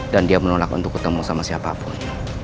dan dia menolak untuk ketemu sama siapapun